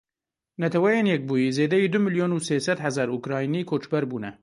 Netewên Yekbûyî Zêdeyî du milyon û sê sed hezar Ukraynî koçber bûne.